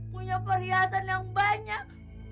punya perhiasan yang banyak